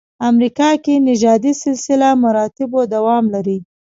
امریکا کې نژادي سلسله مراتبو دوام لري.